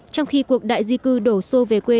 trong khi cuộc đại di cư đổ xô về quê